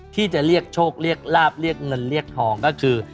ที่จะเรียกโชคเรียกลาบเรียกเงินเรียกทองก็คือ